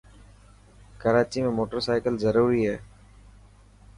ڪراچي ۾ موٽر سائيڪل ضروري هي.